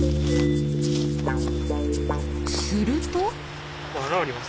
すると。